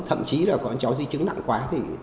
thậm chí là có cháu di chứng nặng quá